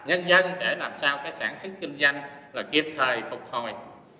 tình hình doanh nghiệp rất nhiều khó khăn trong sản xuất kinh doanh mà nhất là đối với các doanh nghiệp hợp tác xã hội